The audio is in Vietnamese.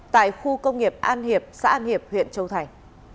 tại khu công nghiệp an hiệp xã hiệp huyện châu thành